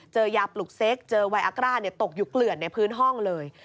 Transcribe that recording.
ยาปลุกเซ็กเจอไวอากร่าตกอยู่เกลื่อนในพื้นห้องเลย